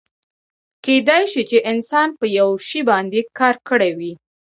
کیدای شي چې انسان په یو شي باندې کار کړی وي.